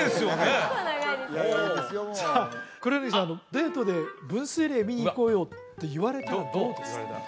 デートで「分水嶺見に行こうよ」って言われたらどうですか？